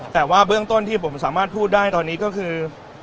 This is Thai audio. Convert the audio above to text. แต่ว่าเบื้องต้นที่ผมสามารถพูดได้ตอนนี้ก็คือ